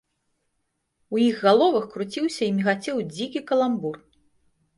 У іх галовах круціўся і мігацеў дзікі каламбур.